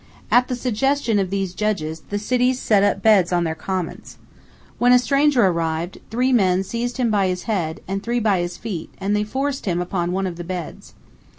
At the suggestion of these judges, the cities set up beds on their commons. When a stranger arrived, three men seized him by his head, and three by his feet, and they forced him upon one of the beds.